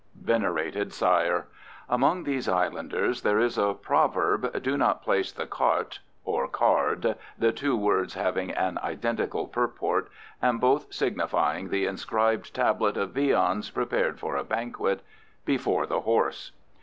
Venerated Sire, Among these islanders there is a proverb, "Do not place the carte" (or card, the two words having an identical purport, and both signifying the inscribed tablet of viands prepared for a banquet,) "before the horse."